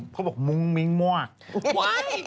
เขาบอกมุ้งมิ้งมั่ว